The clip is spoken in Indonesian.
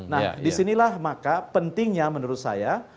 nah disinilah maka pentingnya menurut saya